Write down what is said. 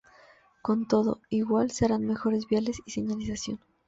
Con todo, igual se harán mejoras viales y de señalización.